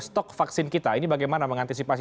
stok vaksin kita ini bagaimana mengantisipasi